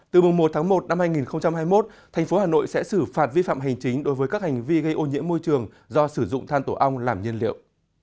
từ một một hai nghìn hai mươi một tp hà nội sẽ xử phạt vi phạm hành chính đối với các hành vi gây ô nhiễm môi trường do sử dụng than tổ ong làm nhân liệu